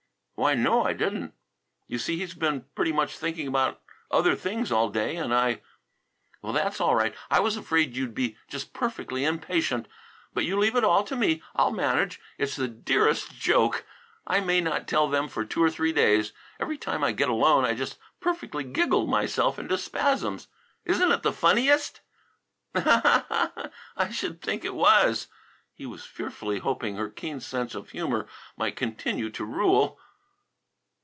"Why, no. I didn't. You see he's been pretty much thinking about other things all day, and I " "Well, that's right. I was afraid you'd be just perfectly impatient. But you leave it all to me. I'll manage. It's the dearest joke! I may not tell them for two or three days. Every time I get alone I just perfectly giggle myself into spasms. Isn't it the funniest?" "Ha, ha, ha, ha! I should think it was." He was fearfully hoping her keen sense of humour might continue to rule.